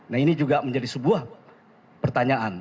nah ini juga menjadi sebuah pertanyaan